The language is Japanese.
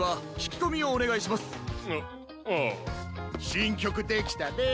しんきょくできたね。